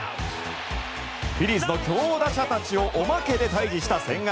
フィリーズの強打者たちをお化けで退治した千賀。